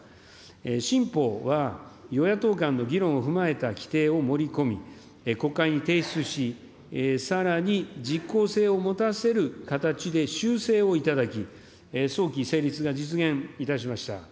新法は与野党間の議論を踏まえた規定を盛り込み、国会に提出し、さらに、実効性を持たせる形で修正をいただき、早期成立が実現いたしました。